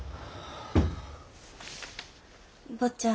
坊ちゃん。